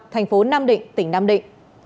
tp nam định tỉnh nam định